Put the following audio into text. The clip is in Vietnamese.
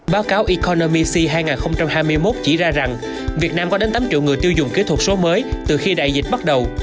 báo cáo economic hai nghìn hai mươi một chỉ ra rằng việt nam có đến tám triệu người tiêu dùng kỹ thuật số mới từ khi đại dịch bắt đầu